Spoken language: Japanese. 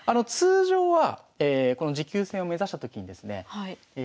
通常はこの持久戦を目指したときにですね